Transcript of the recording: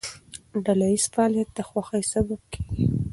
ډلهییز فعالیت د خوښۍ سبب کېږي.